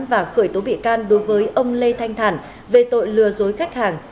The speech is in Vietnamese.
và khởi tố bị can đối với ông lê thanh thản về tội lừa dối khách hàng